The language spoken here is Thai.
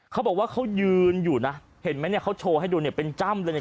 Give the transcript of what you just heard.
เขาบอกว่าเขายืนอยู่นะเห็นไหมเนี่ยเขาโชว์ให้ดูเนี่ยเป็นจ้ำเลยเนี่ย